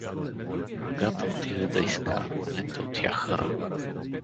Агата отиде да изкара конете от яхъра.